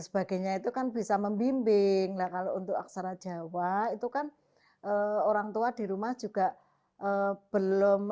sebagainya itu kan bisa membimbing lah kalau untuk aksara jawa itu kan orang tua di rumah juga belum